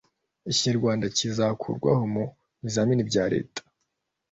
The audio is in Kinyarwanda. Ikinyarwanda kizakorwa mu bizamini bya leta